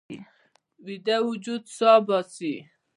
ویده وجود سا باسي